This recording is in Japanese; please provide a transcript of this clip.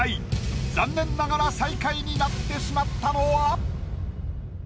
残念ながら最下位になってしまったのは？